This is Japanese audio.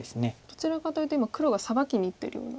どちらかというと今黒がサバキにいってるような。